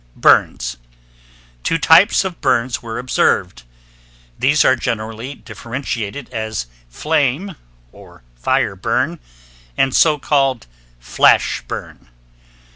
BURNS Two types of burns were observed. These are generally differentiated as flame or fire burn and so called flash burn.